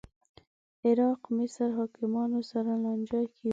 عراق مصر حاکمانو سره لانجه کې و